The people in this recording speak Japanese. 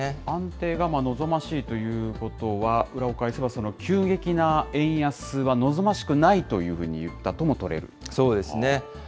安定が望ましいということは、裏を返せば急激な円安は望ましくないというふうに言ったとも取れそうですね。